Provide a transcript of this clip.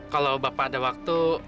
kalau bapak ada waktu